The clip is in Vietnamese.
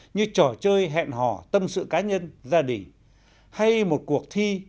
như trò chơi hẹn hò tâm sự cá nhân gia đình hay một cuộc thi